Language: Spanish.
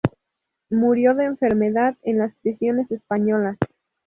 Murió de enfermedad en las prisiones españolas.